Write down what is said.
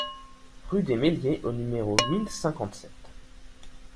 Rue des Mesliers au numéro mille cinquante-sept